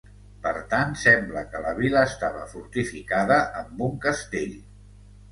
Per tant sembla que la vila estava fortificada amb un castell.